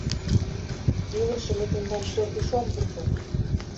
Илыше мый тендам кӧргыш ом пурто!